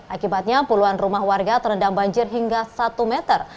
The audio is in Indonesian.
akibatnya puluhan rumah warga terendam banjir hingga satu meter